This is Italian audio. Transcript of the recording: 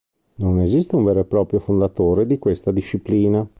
Non esiste un vero e proprio fondatore di questa disciplina.